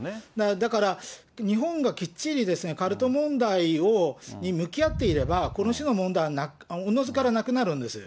だから日本がきっちりカルト問題に向き合っていれば、この種の問題はおのずからなくなるんです。